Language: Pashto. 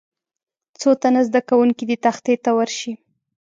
څو تنه زده کوونکي دې تختې ته ورشي.